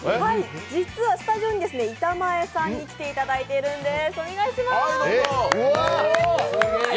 実はスタジオに板前さんに来ていただいているんです。